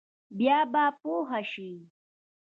بیا به پوره شي ؟